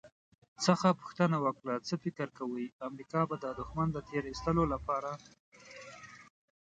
څخه پوښتنه وکړه «څه فکر کوئ، امریکا به د دښمن د تیرایستلو لپاره»